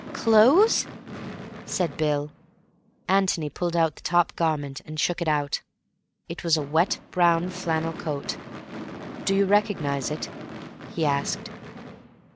"Clothes!" said Bill. Antony pulled out the top garment and shook it out. It was a wet brown flannel coat. "Do you recognize it?" he asked.